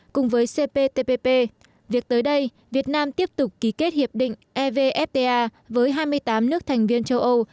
cùng với cptpp việc tới đây việt nam tiếp tục ký kết hiệp định evfta với hai mươi tám nước thành viên châu âu